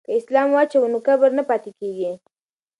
که سلام واچوو نو کبر نه پاتې کیږي.